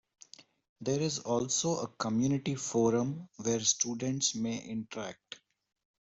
There is also a community forum where students may interact.